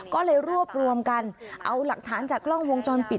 ก็เลยรวบรวมกันเอาหลักฐานจากกล้องวงจรปิด